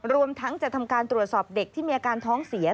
รวมทั้งจะทำการตรวจสอบเด็กที่มีอาการท้องเสีย